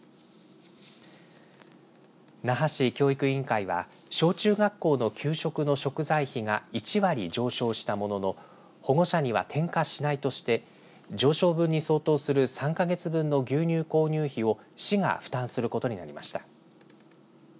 那覇市教育委員会は小中学校の給食の食材費が１割上昇したものの保護者には転嫁しないとして上昇分に相当する３か月分の牛乳購入費を市が負担することになりました。